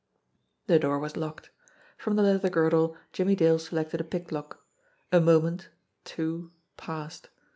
The door was locked. From the leather girdle Jimmie Dale selected a pick lock. A moment, two, passed.